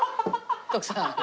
徳さん。